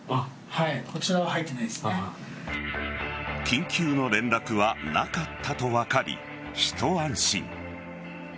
緊急の連絡はなかったと分かり一安心。